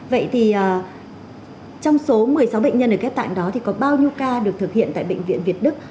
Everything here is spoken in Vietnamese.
vậy thì trong số một mươi sáu bệnh nhân ở ghép tạng đó thì có bao nhiêu ca được thực hiện tại bệnh viện việt đức